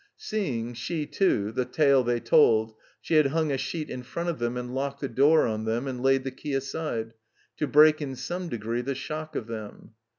Seeing, she too, the tale they told, she had himg a sheet in front of them and locked the door on them and laid the key aside, to break in some degree the shock of them.